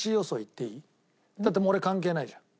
だって俺もう関係ないじゃん。